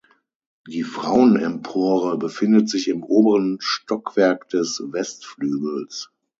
Die Frauenempore befindet sich im oberen Stockwerk des Westflügels.